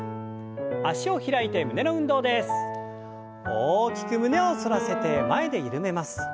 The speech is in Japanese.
大きく胸を反らせて前で緩めます。